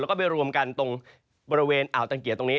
แล้วก็ไปรวมกันตรงบริเวณอ่าวตังเกียจตรงนี้